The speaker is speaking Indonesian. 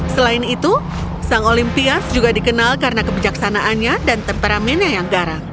selain itu sang olimpias juga dikenal karena kebijaksanaannya dan temperamennya yang garang